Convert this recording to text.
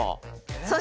そして？